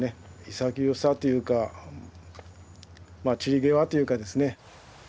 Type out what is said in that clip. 潔さというか散り際というかですね。